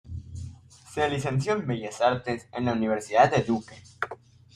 Se licenció en Bellas Artes en la universidad de Duke.